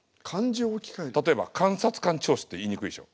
例えば監察官聴取って言いにくいでしょ